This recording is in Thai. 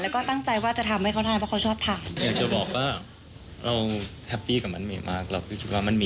แล้วก็ตั้งใจว่าจะทำให้เขาทานเพราะเขาชอบทาน